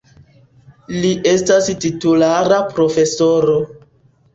Li estas titulara profesoro.